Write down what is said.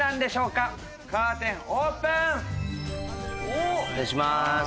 お願いします。